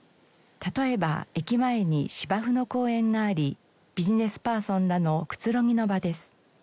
例えば駅前に芝生の公園がありビジネスパーソンらのくつろぎの場です。